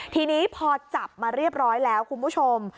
ทีนี้พอจับมาเรียบร้อยแล้วคุณผู้ชม